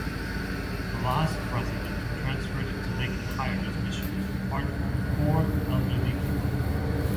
The last residents were transferred to Lake Tyers Mission apart from four elderly people.